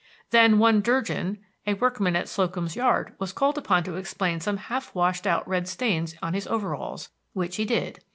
Then one Durgin, a workman at Slocum's Yard, was called upon to explain some half washed out red stains on his overalls, which he did.